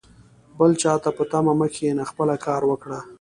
بل چاته په تمه مه کښېنه ، خپله کار وکړه